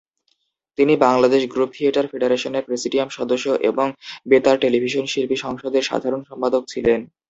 তিনি Bangladesh group theatre ফেডারেশনের presidium সদস্য এবং বেতার টেলিভিশন শিল্পী সংসদের সাধারণ সম্পাদক ছিলেন।